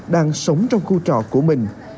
đang sống trong khu trọ của mình